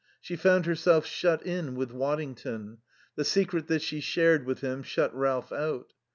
She found herself shut in with Waddington; the secret that she shared with him shut Ralph out.